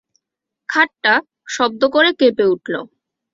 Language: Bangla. খাটটা শব্দ করে কেঁপে উঠল।